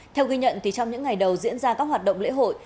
theo ghi nhận trong những ngày đầu diễn ra các hoạt động lễ hội